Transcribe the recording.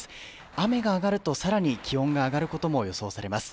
雨が上がるとさらに気温が上がることも予想されます。